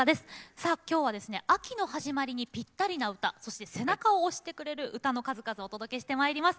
さあ今日はですね秋の始まりにぴったりな歌そして背中を押してくれる歌の数々お届けしてまいります。